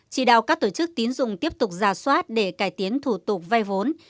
chỉ đạo các tổ chức tín dụng tiếp tục giả soát để cải tiến thủ tục vay vốn